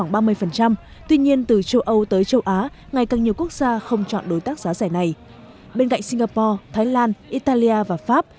bên cạnh singapore thái lan italia và pháp